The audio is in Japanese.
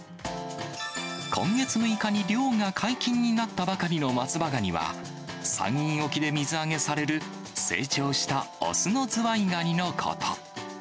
今月６日に漁が解禁になったばかりの松葉がには、山陰沖で水揚げされる成長した雄のずわいがにのこと。